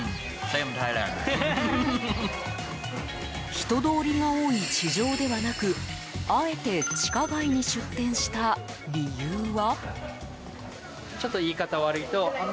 人通りが多い地上ではなくあえて地下街に出店した理由は？